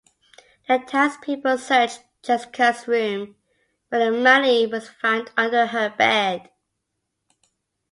The townspeople search Jessica's room, where the money is found under her bed.